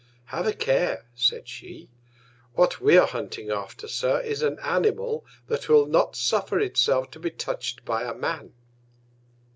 Have a care, said she. What we are hunting after, Sir, is an Animal, that will not suffer itself to be touch'd by a Man.